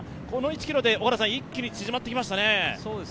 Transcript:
この１ｋｍで一気に縮まってきましたね。